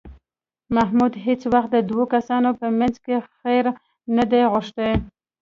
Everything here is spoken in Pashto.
محمود هېڅ وخت د دوو کسانو په منځ کې خیر نه دی غوښتی